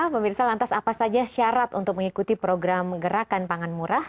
pemirsa lantas apa saja syarat untuk mengikuti program gerakan pangan murah